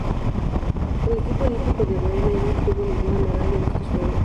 El equipo olímpico de Bohemia no obtuvo ninguna medalla en estos Juegos.